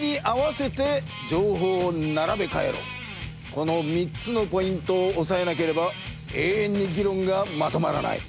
この３つのポイントをおさえなければえいえんにぎろんがまとまらない。